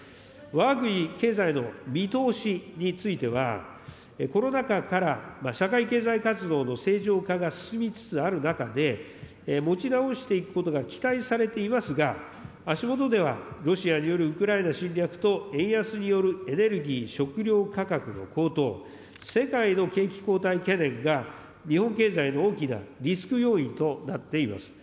わが国経済の見通しについては、コロナ禍から社会経済活動の正常化が進みつつある中で、持ち直していくことが期待されていますが、足下ではロシアによるウクライナ侵略と円安によるエネルギー・食料価格の高騰、世界の景気後退懸念が日本経済の大きなリスク要因となっています。